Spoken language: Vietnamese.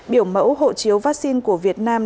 biểu mẫu hộ chiếu vaccine của việt nam